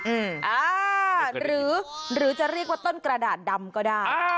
อ่าหรือหรือจะเรียกว่าต้นกระดาษดำก็ได้